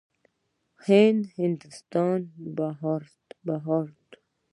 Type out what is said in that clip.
هند، هندوستان، بهارت.